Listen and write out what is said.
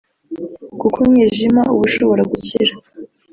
kuko umwijima uba ushobora gukira